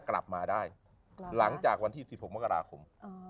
กลับมาได้หลังจากวันที่๑๖มกราคม